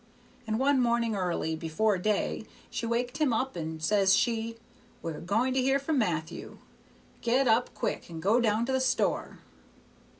And one morning early, before day, she waked him up, and says she, 'We're going to hear from Matthew. Get up quick and go down to the store!'